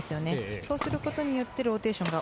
そうすることによってローテーションが